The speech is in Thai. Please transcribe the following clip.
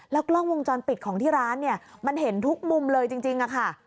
กล้องวงจรปิดของที่ร้านเนี่ยมันเห็นทุกมุมเลยจริงค่ะ